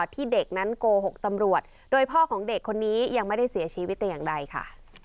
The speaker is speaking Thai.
ที่เด็กนั้นโกหกตำรวจโดยพ่อของเด็กคนนี้ยังไม่ได้เสียชีวิตแต่อย่างใดค่ะ